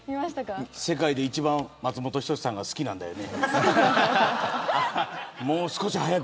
世界で一番松本人志さんが好きなんだよね。